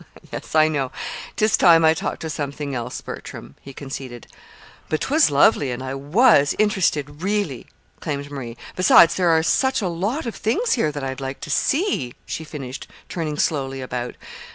"Yes, I know. 'Tis time I talked of something else, Bertram," he conceded. "But 'twas lovely, and I was interested, really," claimed Marie. "Besides, there are such a lot of things here that I'd like to see," she finished, turning slowly about.